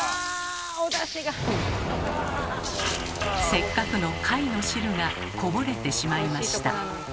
せっかくの貝の汁がこぼれてしまいました。